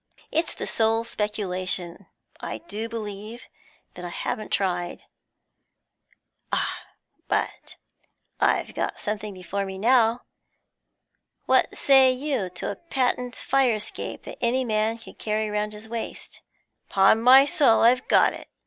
It's the sole speculation, I do believe, that I haven't tried. Ah, but I've got something before me now! What say you to a patent fire escape that any man can carry round his waist? Upon my soul, I've got it!